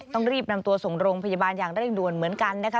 ต้องรีบนำตัวส่งโรงพยาบาลอย่างเร่งด่วนเหมือนกันนะคะ